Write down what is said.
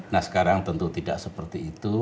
nah sekarang tentu tidak seperti itu